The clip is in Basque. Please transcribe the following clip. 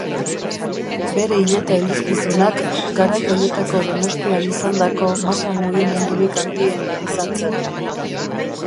Bere hileta-elizkizunak garai haietako Donostian izandako masa-mugimendurik handiena izan zen.